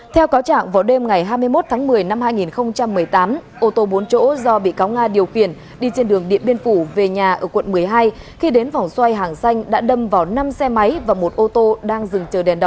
theo cáo trạng vào đêm ngày hai mươi một tháng một mươi năm hai nghìn một mươi tám ô tô bốn chỗ do bị cáo nga điều khiển đi trên đường điện biên phủ về nhà ở quận một mươi hai khi đến vòng xoay hàng xanh đã đâm vào năm xe máy và một ô tô đang dừng chờ đèn đỏ